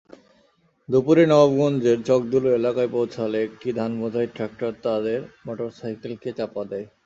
দুপুরে নবাবগঞ্জের চকদুলু এলাকায় পৌঁছালে একটি ধানবোঝাই ট্রাক্টর তাঁদের মোটরসাইকেলকে চাপা দেয়।